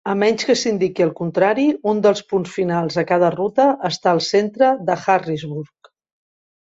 A menys que s'indiqui el contrari, un dels punts finals a cada ruta està al centre de Harrisburg.